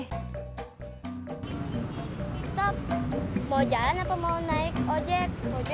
stop mau jalan apa mau naik oh jalan aja ya